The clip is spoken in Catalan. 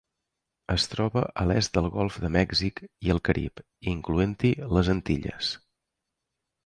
Es troba a l'est del Golf de Mèxic i el Carib, incloent-hi les Antilles.